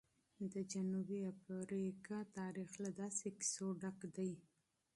د جنوبي افریقا تاریخ له داسې کیسو ډک دی.